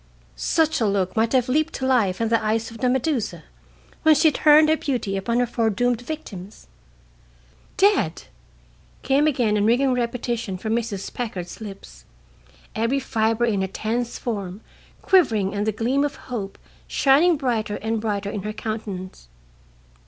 Such a look might have leaped to life in the eyes of the Medusa when she turned her beauty upon her foredoomed victims. "Dead!" came again in ringing repetition from Mrs. Packard's lips, every fiber in her tense form quivering and the gleam of hope shining brighter and brighter in her countenance.